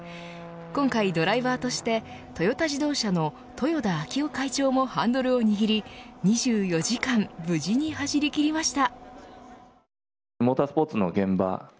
今回、ドライバーとしてトヨタ自動車の豊田章男会長もハンドルを握り２４時間無事に走りきりました。